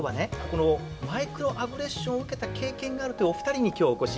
このマイクロアグレッションを受けた経験があるというお二人に今日はお越しいただきました。